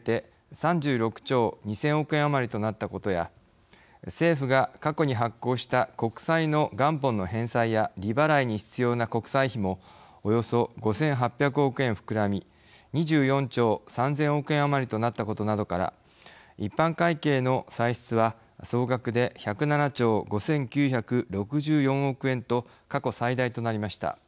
３６兆２０００億円余りとなったことや政府が過去に発行した国債の元本の返済や利払いに必要な国債費もおよそ５８００億円膨らみ、２４兆３０００億円余りとなったことなどから一般会計の歳出は総額で１０７兆５９６４億円と過去最大となりました。